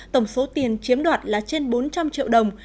tổng số tiền chiếm đoạt là trên bốn trăm linh triệu đồng